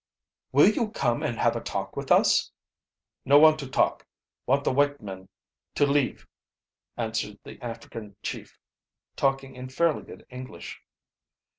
"Will you come and have a talk with us?" "No want to talk. Want the white man to leave," answered the African chief, talking in fairly good English.